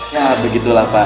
ya begitu lah pak